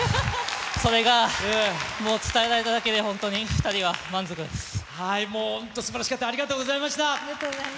それが、もう伝えられただけもう本当、すばらしかった、ありがとうございました。